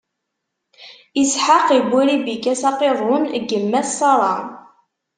Isḥaq iwwi Ribika s aqiḍun n yemma-s Ṣara.